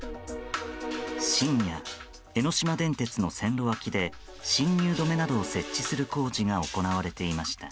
深夜、江ノ島電鉄の線路脇で進入止めなどを設置する工事が行われていました。